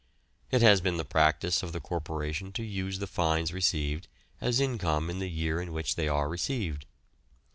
It has been the practice of the Corporation to use the fines received as income in the year in which they are received.